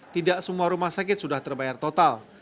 tidak semua rumah sakit sudah terbayar total